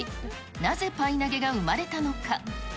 なぜパイ投げが生まれたのか。